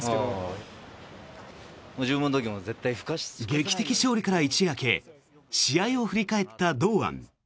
劇的勝利から一夜明け試合を振り返った堂安。